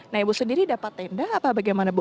nah ibu sendiri dapat tenda apa bagaimana bu